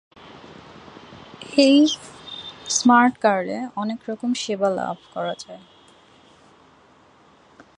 এই স্মার্ট কার্ডে অনেক রকমের সেবা লাভ করা যাবে।